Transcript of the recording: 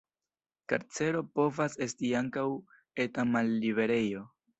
Karcero povas esti ankaŭ eta malliberejo.